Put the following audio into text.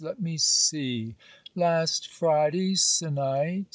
Let me see Last Friday se'night